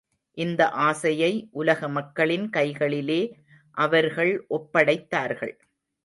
இந்த ஆசையை உலக மக்களின் கைகளிலே அவர்கள் ஒப்படைத்தார்கள்.